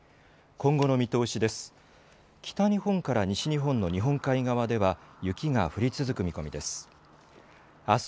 今後の見通しです。